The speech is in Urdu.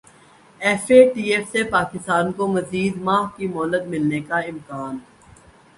ایف اے ٹی ایف سے پاکستان کو مزید ماہ کی مہلت ملنے کا امکان